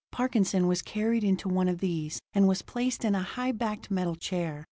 Parkinson was carried into one of these, and was placed in a high backed metal chair.